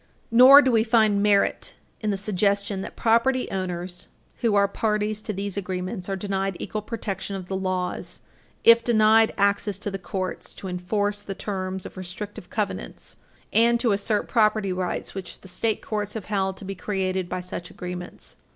Nor do we find merit in the suggestion that property owners who are parties to these agreements are denied equal protection of the laws if denied access to the courts to enforce the terms of restrictive covenants and to assert property rights which the state courts have held to be created by such agreements.